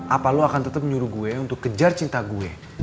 apa lo akan tetap menyuruh gue untuk kejar cinta gue